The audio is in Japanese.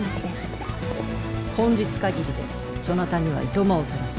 本日限りでそなたには暇をとらす。